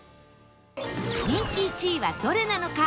人気１位はどれなのか？